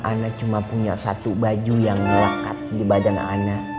ana cuma punya satu baju yang melakat di badan ana